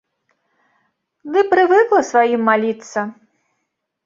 Ды прывыкла сваім маліцца.